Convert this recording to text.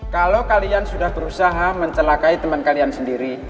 kalau kalian sudah berusaha mencelakai teman kalian sendiri